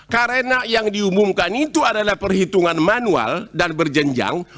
karena yang diumumkan itu adalah perhitungan manual dan berjenjang